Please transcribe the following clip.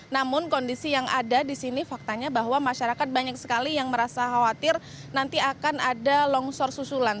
namun kondisi yang ada di sini faktanya bahwa masyarakat banyak sekali yang merasa khawatir nanti akan ada longsor susulan